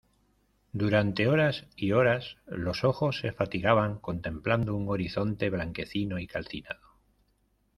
durante horas y horas, los ojos se fatigaban contemplando un horizonte blanquecino y calcinado.